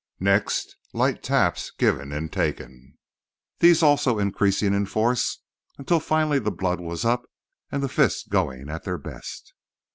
Next light taps given and taken, these also increasing in force until finally the blood was up and fists going at their best.